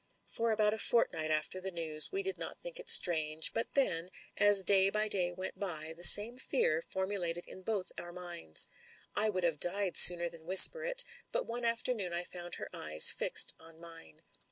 For about a fortnight after the news we did not no MEN, WOMEN AND GUNS think it strange; but then, as day by day went by, the same fear formulated in both our minds. I would have died sooner than whisper it; but one afternoon I found her eyes fixed on mine.